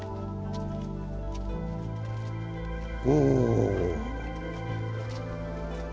おお。